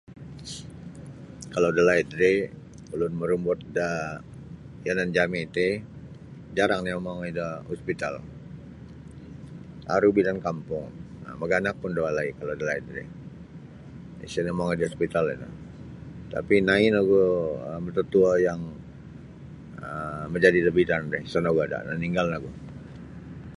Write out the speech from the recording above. Kalau da laid rih ulun marumbut da yanan jami ti jarang nio mongoi da hospital aru bidan kampung um maganak pun da walai kalau da laid ri isa nio mongoi da hospital ino tapi nai' nogu matatuo yang um majadi da bidan ri isa nogu ada naninggal nogu.